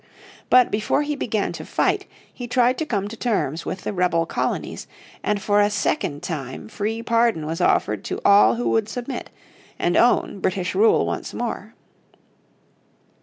But before he began to fight he tried to come to terms with the rebel colonies, and for a second time free pardon was offered to all who would submit and own British rule once more.